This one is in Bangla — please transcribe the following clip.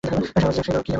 সে জবাব কি আমার দিবার?